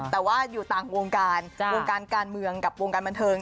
แต่ว่าอยู่ต่างวงการวงการการเมืองกับวงการบันเทิง